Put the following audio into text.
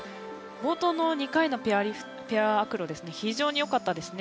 冒頭の２回のペアアクロ、非常によかったですね。